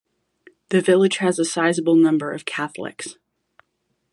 The village has a sizeable number of Catholics.